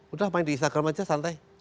udah main di instagram aja santai